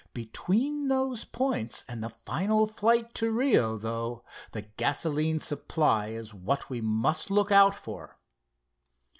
Between those points and the final flight to Rio, though, the gasoline supply is what we must look out for."